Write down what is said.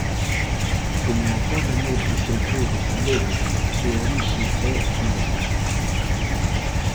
Como ocorre noutros entroidos galegos, a súa orixe é inexacta.